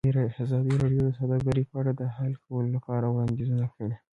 ازادي راډیو د سوداګري په اړه د حل کولو لپاره وړاندیزونه کړي.